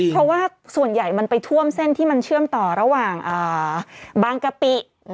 เพราะว่าส่วนใหญ่มันไปท่วมเส้นที่มันเชื่อมต่อระหว่างบางกะปิ